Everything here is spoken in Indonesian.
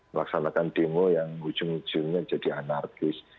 melaksanakan demo yang ujung ujungnya jadi anarkis